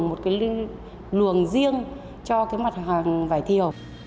một cái luồng riêng cho cái mặt hàng vải thiều